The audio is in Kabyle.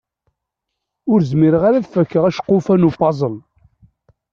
Ur zmireɣ ad d-fakkeɣ aceqquf-a n upazel.